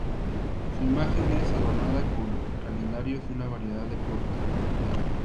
Su imagen es adornada con calendarios y una variedad de productos publicitarios.